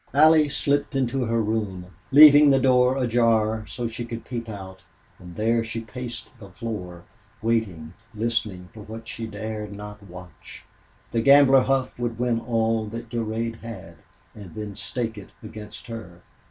Allie slipped into her room, leaving the door ajar so she could peep out, and there she paced the floor, waiting, listening for what she dared not watch. The gambler Hough would win all that Durade had, and then stake it against her.